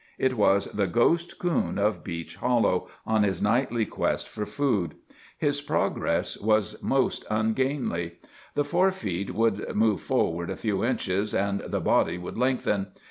It was the ghost coon of Beech Hollow on his nightly quest for food. His progress was most ungainly. The fore feet would move forward a few inches and the body would lengthen.